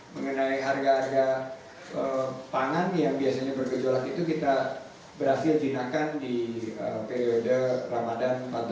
mengenai harga harga pangan yang biasanya berkejualan itu kita berhasil jinakan di periode ramadan seribu empat ratus tiga puluh sembilan